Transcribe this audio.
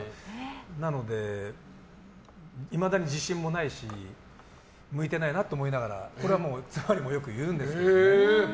なので、いまだに自信もないし向いてないなと思いながらこれはもう妻にもよく言うんですけど。